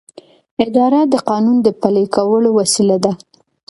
اداره د قانون د پلي کولو وسیله ده.